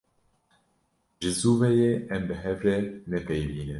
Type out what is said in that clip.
Ji zû ve ye em bi hev re nepeyivîne.